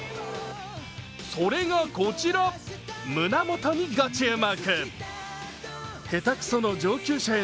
それがこちら、胸元にご注目！